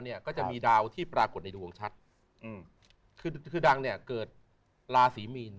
เนี่ยก็จะมีดาวที่ปรากฏในดวงชัดอืมคือคือดังเนี่ยเกิดราศีมีน